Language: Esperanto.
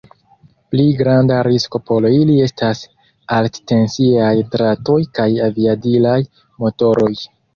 Pli granda risko por ili estas alttensiaj dratoj kaj aviadilaj motoroj.